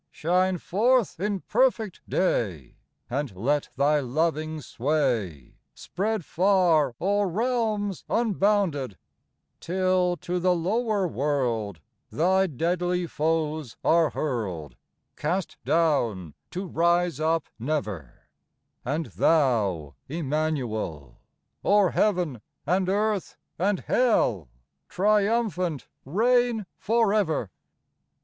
Shine forth in perfect day, And let Thy loving sway Spread far o'er realms unbounded Till to the lower world Thy deadly foes are hurled, — Cast down, to rise up never \ And Thou, Immanuel, O'er heaven and earth and hell Triumphant reign forever